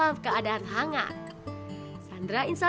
untuk beras coklat lebih nikmat dikosongkan